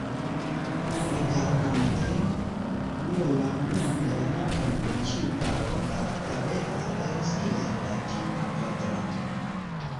Rigardante nur la unuan elementon de ĉiu paro, la tabelo aperas kiel latina kvadrato.